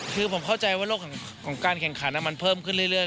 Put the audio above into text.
คือผมเข้าใจว่าโลกของการแข่งขันมันเพิ่มขึ้นเรื่อย